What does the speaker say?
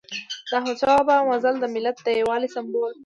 د احمد شاه بابا مزل د ملت د یووالي سمبول و.